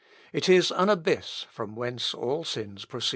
It is an abyss from whence all sins proceed."